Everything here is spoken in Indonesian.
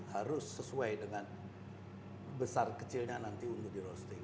harus sesuai dengan besar kecilnya nanti untuk di roasting